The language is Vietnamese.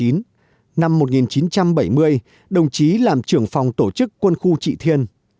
năm một nghìn chín trăm bảy mươi đồng chí làm trưởng phòng tổ chức quân khu trị thiên